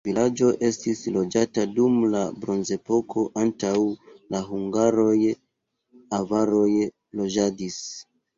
La vilaĝo estis loĝata dum la bronzepoko, antaŭ la hungaroj avaroj loĝadis.